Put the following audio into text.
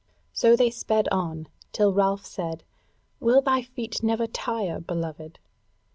So they sped on, till Ralph said: "Will thy feet never tire, beloved?"